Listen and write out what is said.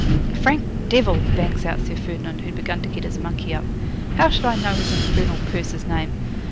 '"Frank Devil!" bangs out Sir Ferdinand, who'd begun to get his monkey up. "How should I know his infernal purser's name?